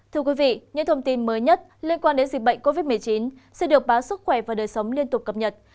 thứ nhất liên quan đến dịch bệnh covid một mươi chín sẽ được báo sức khỏe và đời sống liên tục cập nhật